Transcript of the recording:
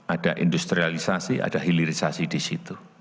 ada industrialisasi ada hilirisasi di situ